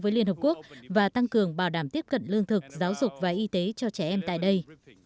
với liên hợp quốc và tăng cường bảo đảm tiếp cận lương thực giáo dục và y tế cho trẻ em tại đây